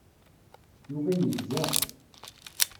Yuba yegza.